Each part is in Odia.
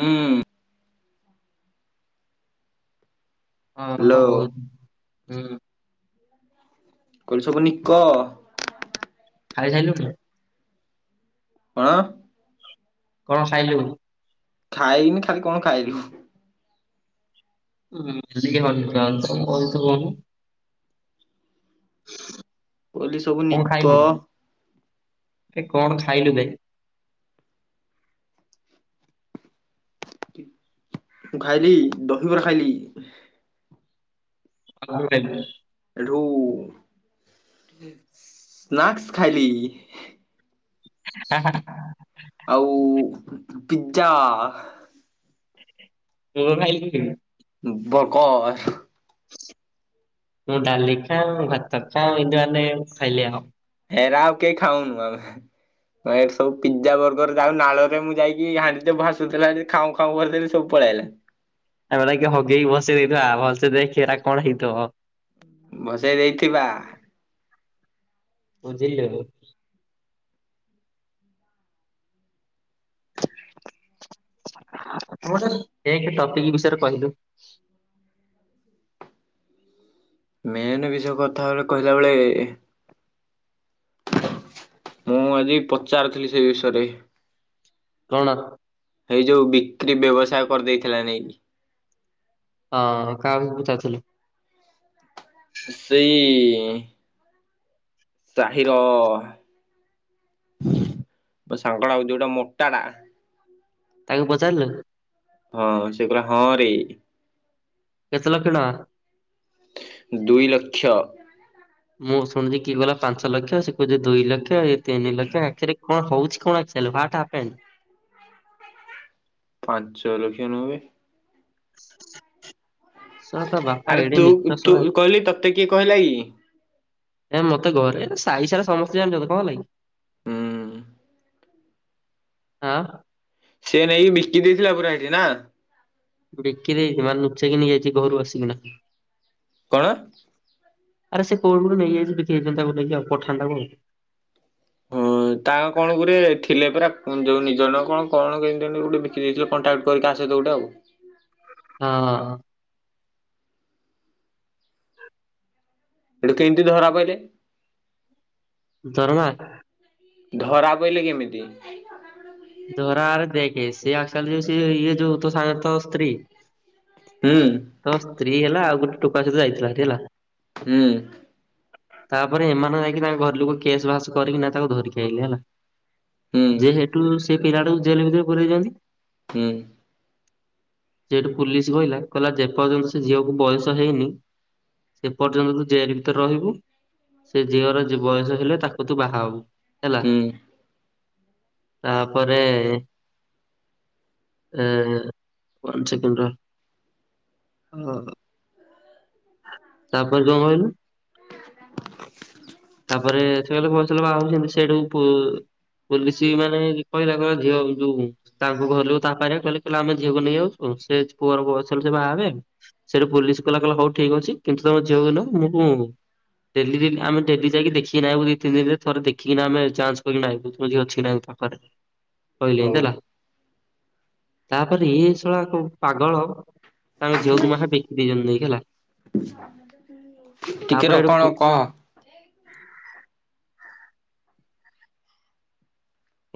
ହୁଁ। ହଁ କଣ କହୁ। ହୁଁ। କହିଲି ସବୁ ନିକ। ଖାଇ ସାରୁଲୁଣି। କଣ। କଣ ଖାଇଲୁ। ଖାଇନି ଖାଲି କଣ ଖାଇଲୁ। ଚିକେନ [inaudible] ବୋଲି ସବୁ ନିକ। କଣ ଖାଇଲୁ ବେ। ମୁଁ ଖାଇଲି ଦହିବରା ଖାଇଲି। [unintelligible] ରୁ ସ୍ନାକ୍ସ ଖାଇଲି। ହା ହା। ଆଉ ପିଜ୍ଜା। ତୁ କଣ ଖାଇଥିଲୁ। ବକହ। ମୁଁ ଡାଲି ଖା ଭାତ ଖାାଉ ଏଇଦୁଆେ ଖାଇଲି ଆଉ। ଏରା ଆଉ କେହି ଖାଉନୁ ଆମେ ସବୁ ପିଜଜା ବର୍ଗର ଯାଉ ନାଳରେ ମୁଁ ଯାଇକି ହାଣ୍ଡି ଭାସୁଥିଲା ଖାଉଁ ଖାଉଁ ଭଦେଲି ସବୁ ପଳେଇଲା। ଆମେ ହଗେଇକି ବସେଇ ଦେଇଥବା ଭଲସେ ଦେଖିରା କଣ ହେଇଥିବ। ବସେଇ ଦେଇଥିବା। ବୁଝିଲୁ। ତମ ଏ ଟପିକ ବିଷୟରେ କହିଲୁ। ମେନ ବି ସବୁ କଥା କହିଲା ବେଳେ। ମୁଁ ଆଜି ପଚାରୁଥିଲି ସେଇ ବିଷୟରେ। କଣ। ଏଇ ଯୋଉ ବିକ୍ରି ବ୍ୟବସାୟ କରିଦେଇଥିଲା ନାଇକି । ହଁ କାହା ବି ପଚାରୁଥିଲୁ। ସେଇ। ହଁ। ସାହିର ସାଙ୍ଗଡ ହଉ ଯୋଉଟା ମୋଟା ଟା। ତାଙ୍କୁ ପଚାରିଲୁ। ହଁ ସେକହିଲା ହଁ ରେ। କେତେ ଲକ୍ଷ ତାଙ୍କ। ଦୁଇ ଲକ୍ଷ। ମୁଁ ଶୁଣୁଛି କିଏ କହିଲା ପାଞ୍ଚ ଲକ୍ଷ ସେ କହୁଛି ଦୁଇ ଲକ୍ଷ ତିନି ଲକ୍ଷ ଆଖିରେ କଣ ହଉଛି କଣ ଆଖି ୱଟହାପେଣ୍ଡ । ପାଞ୍ଚ ଲକ୍ଷେ ନୁହଁବେ। ଶଳା ତା ବାପା ଆରେ ଏଡେ ତୁ ନୀଚ ତୁ ଶଳା କହିଲି ତତେ କିଏ କହିଲା କି? ଏ ମତେ ଘରେ ସାାଇ ସାରା ସମସ୍ତେ ଜାଣିଛନ୍ତି କଣ ହେଲାକି? ହୁଁ ହ। ସେ ନେଇକି ବିକି ଦେଇଥିଲା ପୁରା ସେଇଠି ନା? ବିକି ଦେଇଚି ମାନ ନୁଚେଇକି ନେଇଯାଇଚି ଘରୁ ଆସିକିନା। କଣ? ଆରେ ସେ କୋଉଠୁ ଗୋଟେ ନେଇଯାଇଚି ବିକ ହେଇ ତାକୁ ନେଇକି ଆଉ ପଠାଣ ଟାକୁ ଆଉ। ହଁ ତା କଣ ଗୁଟ ଥିଲେ ପରା? ଯୋଉ ନିଜ ନ କଣ କଣ କେମତି ଗୋଟେ ବିକି ଦେଇଥିଲେ କଣ୍ଟାକ୍ଟ କରିକି କାହା ସହିତ ଗୋଟେ ଆଉ। ହଁ। ଏଠୁ କେମିତି ଧରା ପଡ଼ିଲେ। ଧରଣା। ଧରା ପାଇଲେ କେମିତି? ଧରା ଆରେ ଦେଖେ ସେିଏ ଆାଲି ଯୋଉ ସେ ଇଏ ଯୋଉ ତ ସାଙ୍ଗର ସ୍ତ୍ରୀ ହୁଁ ତୋ ସ୍ତ୍ରୀ ହେଲା ଆଉ ଗୋଟେ ଟୁକା ସହ ଯାଇଥିଲା ହେଟି ହେଲା। ହୁଁ। ତାପରେ ଏମାନେ ଯାଇକି ତାଙ୍କ ଘର ଲୋକ କେସ୍ ବାସ କରିକିନା ନାଇ ତାକୁ ଧରିକି ଆଇଲେ ହେଲା। ହୁଁ। ଯେହେତୁ ସେ ପିଲାଟାକୁ ଜେଲ ଭିତରେ ପୁରେଇଛନ୍ତି। ହୁଁ। ସେଠୁ ପୁଲିସ କହିଲା କହିଲା ଯେ ପର୍ଯ୍ୟନ୍ତ ସେ ଝିଅକୁ ବୟସ ହେଇନି ସେ ପର୍ଯ୍ୟନ୍ତ ତୁ ଜେଲ ଭିତରେ ରହିବୁ। ସେ ଝିଅର ବୟସ ହେଲେ ତାକୁ ତୁ ବାହା ହବୁ। ହୁଁ। ତା ପ ପରେ ଏ ୱାନ ସେକେଣ୍ଡ ରହ। ତାପରେ କଣ କହିଲୁ, ତାପରେ ସେ କହିଲ [unintelligible] ରେ ବାହାହବୁ, ସେଠୁ ପୁ ପୋଲିସ ମାନେ କହିଲା କହିଲ ଝିଅ ଯଉ ତାଙ୍କୁ ଘର ଲୋକ ତାପରେ କହିଲେ କହିଲେ ଆମେ ଝଅକୁ ନେଇ ଯାଉଚୁ, ସେ ପୁଅର ବୟସ ହେ ସେ ବାହା ହେବେ। ସେଠୁ ପୋଲିସ କହଲା କହିଲା ହଉ ଠିକ୍ ଅଛି କିନ୍ତୁ ତମ ଝିଅକୁ ନ ମୁଁ ଉ ଡେଲି ଡେଲି ଆମେ ଡେଲି ଯାଇକି ଦେଖିକି ଆଇବୁ ଦି ତିନି ଦିନରେ ଥରେ ଦେଖିକିନା ଆମେ ଯାଞ୍ଚ କରିକିନା ଆାଇବୁ ତୁମ ଝିଅ ଅଛି କି ନାହି ତା ପାଖରେ? କହିଲ ହେଲା। ତାପରେ ଏ ସଳା ପାଗଳ ତାଙ୍କ ଝିଅକୁ ମା ବିକି ଦେଇ ଚନ୍ତି ଯାଇକି ହେଲା । ଟିକେ ର କଣ କହ?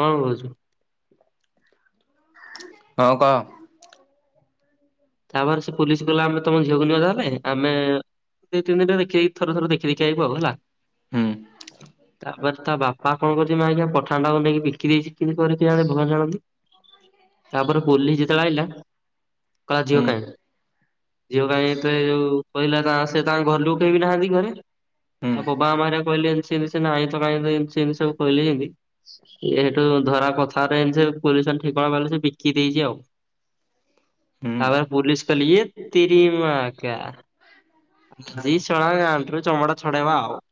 କଣ କହୁଚୁ? ହଁ କହ। ତାପରେ ସେ ପୋଲିସ କହିଲା ଆମେ ତମ ଝିଅକୁ ନବୁ ତାହେଲେ। ଆମେ ଦିଇ ତିନି ଦିନରେ ଦେଖିି ଥରେ ଥର ଦେଖିଦଖି ଆାଇବୁ ଆଉ ହେଲା। ହୁଁ ତାପରେ ତା ବାପା କଣ କରୁଛି ମା ଆଜ୍ଞା ପଠାଣ୍ଡା ନେଇକି ବିକି ଦେଇିକି କରିକି ଜାଣେ ଭଲ ଜାଣନ୍ତି ତାପରେ ପୋଲି ଯେତେବେଳେ ଆଇିଲା [unintelligible] କଲା, ଝିଅ ହୁଁ କାହିଁ ଝିଅ କାହିଁ? ଏତେ ଯୋଉ କହିଲା, ସେ ତାଙ୍କ ଘର ଲୋକ କେହି ବି ନାହାନ୍ତି ଘରେ, ହୁଁ ତା ବାବା ମା କହିଲେ ଏମିତିମ ଆଇଁ ତ କାହିଁ ଏମିତି ଏମିତି ସବୁ କହିଲେ ଯେମିତି ଏଠ୍ ଧରା କଥାରେ ଏମିତି ସବୁ ପୁଲି ଠ କଣ କଲା ସେ ବିକି ଦେଇଚି ଆଉ। ହୁଁ। ତାପରେ ପୋଲିସ କହିଲେ, ଏ ତେରି ମା କା। ଆ ଜି ଶଳା ଗାଣ୍ଡିରୁ ଚମଡ଼ା ଛଡେଇବା ଆଉ ।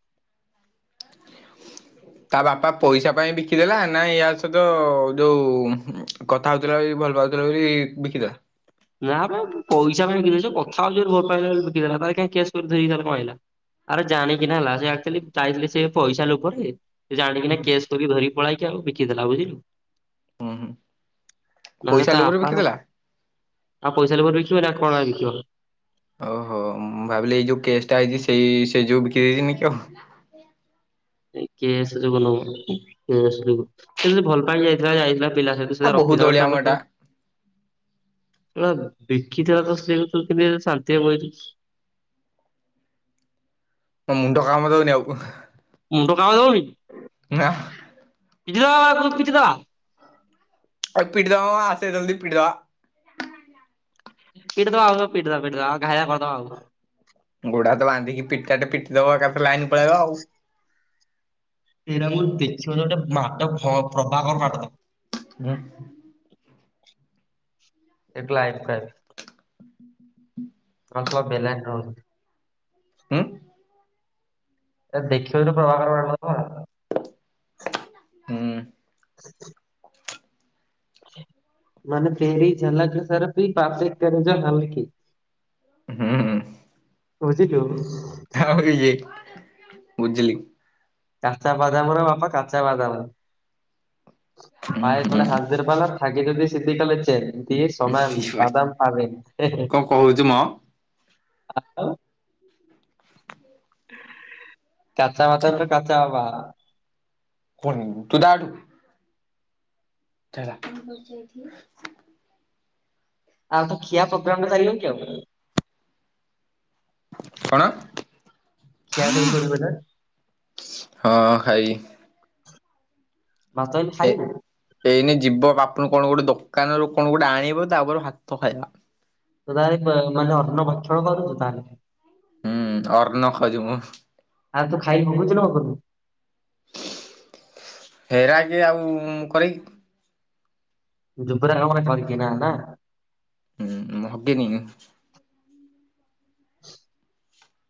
ତା ବାପା ପଇସା ପାଇଁ ବିକିଦେଲା ନା ୟା ସହିତ ଯୋଉ କଥା ହଉଥିଲା ବୋଲି ଭଲ ପାଉଥିଲା ବୋଲି ବିକିଦେଲା । ନା ବେ ପଇସା ପାଇଁ ବିକି ଦେଇଛନ୍ତି ।କଥା ହଉଛି ଭଲ ପାଇଲା ବୋଲି ବିକିଦେଲା ବାଳ କାଇଁ କେସ କରିଦେଇ କଣ ଆଇଲା ଆରେ ଜାଣିକିନା ହେଲା ସେ ଆକଚୁଆଲି ଯାଇଥିଲେ ସେ ପଇସା ଲୋଭରେ। ସେ ଜାଣିକିନା କେସ୍ କରିକି ଧରିକି । ପାଇକି ଆଉ ବିକିଦେଲା ବୁଝିଲୁ ହୁଁ ହୁଁ । ପଇସା ଲୁଭ ରେ ବିକିଦେଲା । ଆଉ ପଇସା ଲୋଭ ରେ ବିକିବନି ଆଉ କଣ ଲାଗି ବିକିବା । ଓହୋ ମୁଁ ଭାବିଲି ଏଇ ଯୋଉ କେସ୍ ଟା ହେଇଛି ସେଇ ସେଇ ଯୋଉ ବିକି ଦେଇଛିନି କି ଆଉ। ସେ କେସ ଯୋଗ ନୁଅ କେସ ଯୋଗୁ ସେ ଯଦି ଭଲ ପାଇ ଯାଇଥିଲା ଯାଇଥିଲା । ପିଲା ସହିତ ଆ ସେତ ରଖି ବହୁତ ଥାନ୍ତା ଅଳିଆମ ତମେ ଏଟା ଶଳା । ସୋ ବା ବିକିଥିବା ତ ସ୍ତ୍ରୀୃ କେ ଶାନ୍ତି ହବ । [unintelligible] ତମ୍ ମୁଣ୍ଡ କାମ ଦଉନି ଆଉ। ମୁଣ୍ଡ କାମ ଦେଉନି କି? ନା! [unintelligible] ଅଉ ପିଟି ଦବା ଆସେ ଜଲଦି ପିଟିଦବା। ପିଡିଦବା ଆଉ ପିଟିଦବା ପିଟିଦବା ଘାଇବା କରିଦବା ଆଉ। ଗୁଡା ହାତ ବାନ୍ଧିକି ପିଟା ଟେ ପିଟି ଦବା ଏକା ଥ । ଲାଇନ ପଳେଇବା ଆଉ। ସେଇଟା ମୁଁ ଦେଖିବ ଗୋଟେ ମାଟ ପ୍ରଭାକର ମାଟ । ହୁଁ । ଏକଲା ଏଇଠି ଥାଏ। ରସ ବେଲା [unintelligible] ଅ ହୁଁ । ଏ ଦେଖିବ ଯୋଉ ପ୍ରଭାକର ବଳ। ହୁଁ । ମାନେ ତେରୀ ଝଲକ ସରଫୀ ତାପରେ ତେରୀ ଯୋ ହଲକି ହୁଁ । ଓ ଜି ଟୁ । ଉଜଲି । କାଚା ବାଦାମ ର ବାପା କାଚା ବାଦାମ । ହୁଁ ପାଏ ଥୋଡ଼ା ହୁଁ ହାତର ପଲା ଫଗେ ଯଦି । ସେଧି କଲେ ଚେନ । ଦିଏ ସମାନ ଠିକ୍ ବା ବଦାମ ପାବେ ହେ ହେ କଣ କହୁଛୁ ମ । [inaudible] କାଚା ବାଦାମ କାଚା ବା । କନ୍ ତୁ ଦା ଏଠୁ । [unintelligible] ଆଉ ତ ଖିଆ ପ୍ରୋଗ୍ରାମ ଚାଲିନି କି ଆଉ । କଣ ଖିଆ [unintelligible] କୋଉଟା । ହଁ ଖାଇ ଭାତ ଅଜୀ ଏ ଖାଇବୁ । ଏଇନେ ଯିବ ବାପୁନୁ କଣ ଗୋଟେ ଦୋକାନରୁ କଣ ଗୋଟେ ଆଣିବ ତାପରେ ଭାତ ଖାଇବା। ତ ତାର ମାନେ ହର୍ଣ ବଛଡ଼ କରୁଛୁ ତାହେଲେ। ହୁଁ ଅର୍ଣ୍ଣ ଖାଉଛି ମୁଁ ଆଉ ତୁ ଖାଇ ହଗୁଛୁ ନା ହଗୁନୁ। ହେରା କିଏ ଆଉ କରକି ଜୁପରେ କାମ କି ନା ନା। ହୁଁ ମୁଁ ହଗିନି।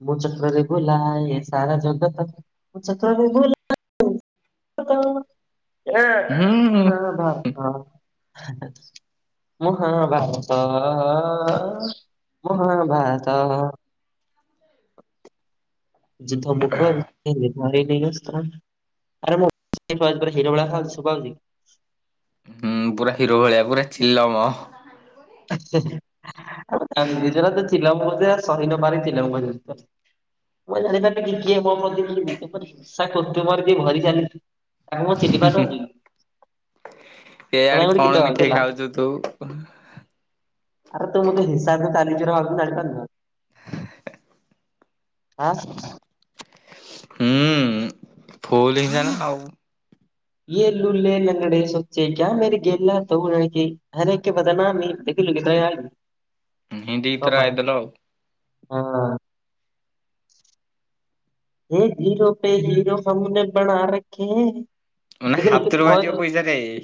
ମୁଁ ଚକ୍ରରେ ଭୁଲାଏ ସାରା ଜଗତ ମୁଁ ଚକ୍ରରେ ବୁଲାଏ ସାରାଜଗତ ଏ ହଁ ବା ହଁ। ମହା ଭାରତ ତ- ଅ - ଅ ମହାଭାରତ। ଯୁଦ୍ଧ ମୁକରେ ଆରେ ମୁ ହିର ବଳା ଖାଉଛିଭଛି। ହୁଁ ପୁରା ହିରୋ ଭଳିଆ ପୁରା ଚିଲମ। ଆଚ୍ଛା। [unintelligible] [unintelligible] ସହି ନ ପାରିଥିଲ ମୁ ଜାଣିପିବି କି କିଏ ମୋ ପ୍ରତି କି ତ ହିଂସା କରୁୁ ମୋରଏ ଭରି ଚାଛୁ। ଏ ତୋ ପାଇଁ ଆଣି ଗୋଟେ ଗୀତ କଣ ମିଠେଇ ଖାଉଛୁ ତୁ। ଆରେ ତୁ ମୋତେ ହିସାବ ତା ନିଜର ମାଉସୀ ଜାଣି ପାରୁନ ଆଃ। ହୁଁ ଉଁ। ଫୁଲ୍ ଇନ୍ ହ୍ୟାଣ୍ଡ ଆଉ। [unintelligible] ଉଁ ହୁଁ ଦି ଥର ଆଇଥିଲ ଆଉ। ହୁଁ । ହେ ହିରୋ ପେ ହିରୋ ହମେନେ ପଡା ରଖେ ଏ। ମାନେ ହାତରୁ ବାଜିବ ପଇସା ଖାଇବେ।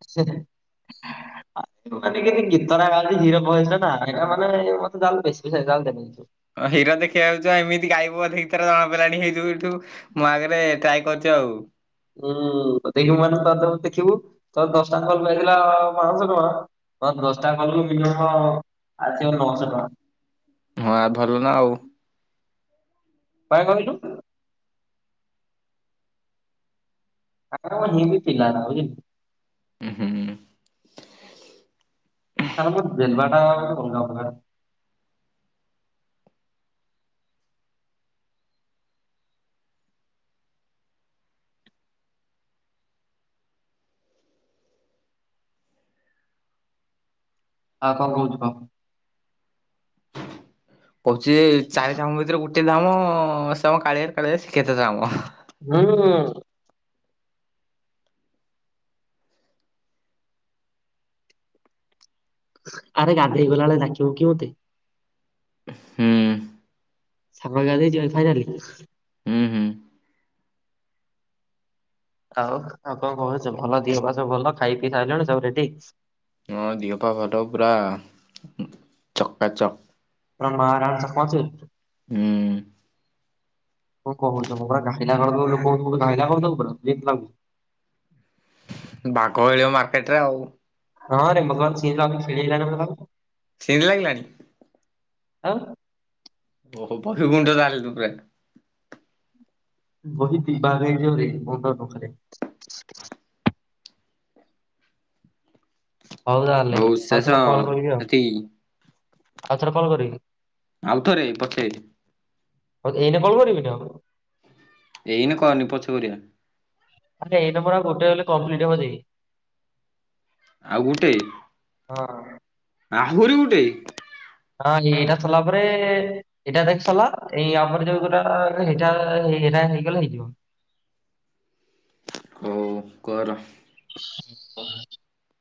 [unintelligible] ଗୀତଟା ଗା ଉଛୁ ମାନେ ହିରୋ ଭଏସ ନା ସେଇଟା ମତେ ତା ଠୁ ବେଶୀ ପଇସା ଅ ହୀରା ଦେଖିଇବାକୁ ଚାହିଁ ବୁ ଗାଇବୁ ଯଦି ଗୀତ ବୋଧେ ରେଡ୍ଡୀ ହେଇଥିବୁ ଗାଇବୁ ମୋ ଆଗରେ ଟ୍ରାଏ କରଛ ଆଉ। ହୁଁ ତ ଦେଇ ମାନଙ୍କ ତା ଦେଖିବୁ ତୋ ଦଶଟା କଲକୁ ଆଈ ଥିଲା ପାଞ୍ଚଶହ ଟଙ୍କା ମୋର ଦଶଟା କଲ୍ କୁ ମିନିମମ୍ ଆସିବ ନଅଶହ ଟଙ୍କା। ମୁହାଁ ଭଲ ନା ଆଉ। କାଇଁ କହିଲୁ [inaudible] ଅଙ୍କର ହିନ୍ଦୀ ପିଲା ବୁଝିଲୁ? ଉ ହୁଁ। [inaudible] ତାଙ୍କର ସବୁ ଦେବାଟା ହଉଛି ଅଲଗା ପ୍ରକାର ଆଉ କଣ କହୁଛୁ କହ? କହୁଛି ଚାରି ଟା କାମ ଭିତରେ ଗୋଟେ ଗୋଟେ ଧାମ ସେ ଆମ କାଳିଆ ରେ କାଳିଆ ରେ ଶିକ୍ଷେତ୍ର ଧାମ। ହୁଁ। ଆରେ ଗାଧେଇ ଗଲାବେଳେ ଡାକିବୁ କି ମୋତେ ହୁଁ। ସାଙ୍ଗ ହେଇକି ଗାଧେଇ ଯିବା ଫାଇନାଲି। ହୁଁ ହୁଁ ଆଉ ଆଉ କଣ କହୁଛୁ ଭଲ ଦିହ ପା ସବୁ ଭଲ ଖାଇ ପିଇ ସାରିଲାଣି ସବୁ ରେଡି ମୋ ଦେହପା ଭଲ ପୁର ଆ ଚକ୍କା ଚକ୍। କଣ ମା ରାଣ ଚକମା ଚୁର। ହୁଁ କଣ କୁହୁଛ ମୁଁ ପୁରା ପିଲା କ କରଛ ପୁରା ଯେ ଲାଗୁଛି। ବାଘ ମିଳିବ ମାର୍କେଟ ରେ ଆଉ। ହଁରେ ଭଗବାନ ସିଂହ ଫେଳିଲା ମ [unintelligible] ଲାଗିଲାଣି। ଆଉ ଓହୋ ପକ୍ଷୀ କୁଣ୍ଡ ଜାଣିଲୁ ପ୍ରାୟ ବହି ଦିଇ ଭାଗ ହେଇଯିବାରେ [unintelligible] ରେ ହଉ ତାହେଲେ ହଉ ଶେଷ ଏତିକି ଆଉଥରେ କଲ କରିବି ଆଉ ଥରେ ପଛେ ହୋଉ ଏଇନେ କଲ କରିବିନି ଆଉ ଏଇନେ କରନି ପଛେ କରିବା। ଏଇ ନମ୍ବର ଆଉ ଗୋଟେ ହେଲେ କମ୍ପ୍ଲିଟ ହବ ଯାଇ ଆଉ ଗୋଟେ ହଁ। ଆହୁରି ଗୋଟେ ହଁ ଏଇଟା ସରିଲା ପରେ ଏଇଟା ଦେଖିସାରିଲା ଆମର ଯୋଉ ଗୋଟିଏ ନାହିରିତ ହେଇଗଲେ ହେଇଯିବ। ହଉ କର। [inaudible]